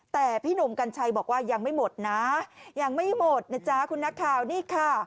แต่พี่หนุ่มกัญชัยบอกว่ายังไม่หมดนะยังไม่หมดนะจ๊ะคุณนักข่าวนี่ค่ะ